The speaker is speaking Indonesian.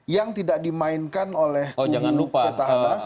yang tidak dimainkan oleh kubu petahana